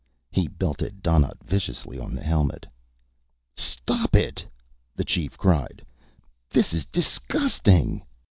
He belted Donnaught viciously on the helmet. "Stop it!" the chief cried. "This is disgusting!"